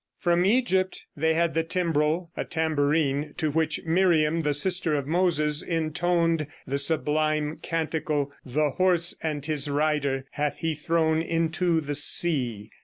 From Egypt they had the timbrel, a tambourine, to which Miriam, the sister of Moses, intoned the sublime canticle, "The horse and his rider hath He thrown into the sea."